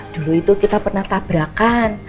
dulu itu kita pernah tabrakan